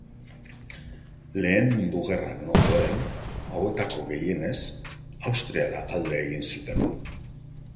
Lehen Mundu Gerraren ondoren hauetako gehienez Austriara alde egin zuten.